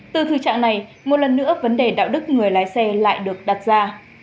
từ thực trạng này một lần nữa vấn đề đạo đức người lái xe lại được đặt ra